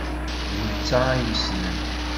D netta ay yessnen.